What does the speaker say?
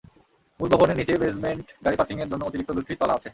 মূল ভবনের নিচে বেসমেন্ট গাড়ি পার্কিংয়ের জন্য অতিরিক্ত দুটি তলা আছে।